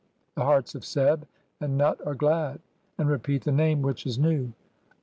(6) The 'hearts of Seb and Nut are glad and repeat the name which is 'new.